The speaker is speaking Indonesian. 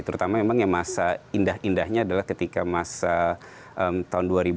terutama memang yang masa indah indahnya adalah ketika masa tahun dua ribu dua